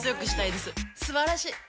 すばらしい！